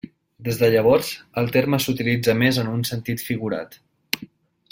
Des de llavors, el terme s'utilitza més en un sentit figurat.